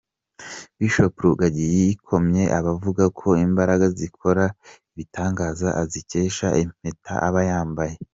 Bishop Rugagi yikomye abavuga ko imbaraga zikora ibitangaza azikesha impeta aba yambaye .